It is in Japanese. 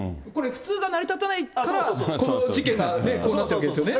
普通が成り立たないからこの事件がこうなったわけですよね。